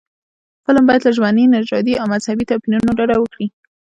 فلم باید له ژبني، نژادي او مذهبي توپیرونو ډډه وکړي